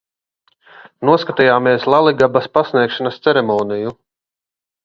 Noskatījāmies Laligabas pasniegšanas ceremoniju.